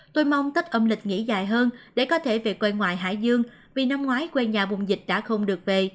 tôi mong tất âm lịch nghỉ dài hơn để có thể về quê ngoài hải dương vì năm ngoái quê nhà bùng dịch đã không được về